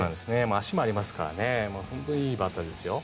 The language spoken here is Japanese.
足もありますから本当にいいバッターですよ。